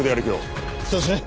そうですね。